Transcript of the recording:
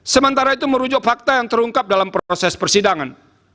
sementara itu merujuk fakta yang terungkap dalam proses persidangan